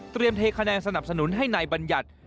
เทคะแนนสนับสนุนให้นายบัญญัติ